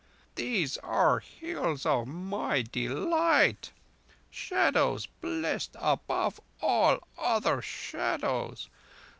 These are the Hills of my delight! Shadows blessed above all other shadows!